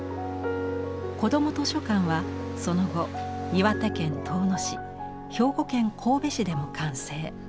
子ども図書館はその後岩手県遠野市兵庫県神戸市でも完成。